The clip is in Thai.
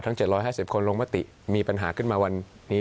๗๕๐คนลงมติมีปัญหาขึ้นมาวันนี้